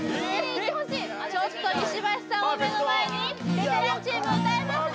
・いってほしいっちょっと石橋さんを目の前にベテランチーム歌えますか？